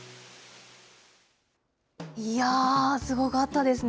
いやー、すごかったですね。